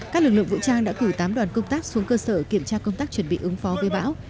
các lực lượng vũ trang đã cử tám đoàn công tác xuống cơ sở kiểm tra công tác chuẩn bị ứng phó với bão